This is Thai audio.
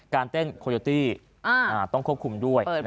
การเต้นโคโยตี้ต้องควบคุมด้วย